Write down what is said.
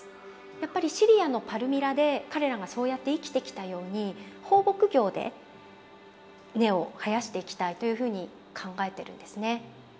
やっぱりシリアのパルミラで彼らがそうやって生きてきたように放牧業で根を生やしていきたいというふうに考えてるんですね。